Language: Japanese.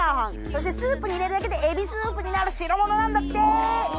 そしてスープに入れるだけでエビスープになる代物なんだって。